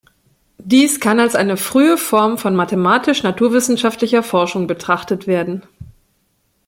Dies kann als eine frühe Form von mathematisch-naturwissenschaftlicher Forschung betrachtet werden.